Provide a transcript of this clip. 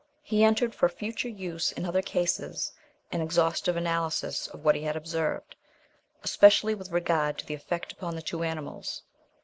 He entered for future use in other cases an exhaustive analysis of what he had observed, especially with regard to the effect upon the two animals.